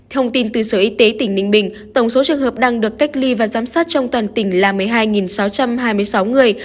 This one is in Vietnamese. thông tin từ sở y tế tỉnh ninh bình tổng số trường hợp đang được cách ly và giám sát trong toàn tỉnh là một mươi hai sáu trăm hai mươi sáu người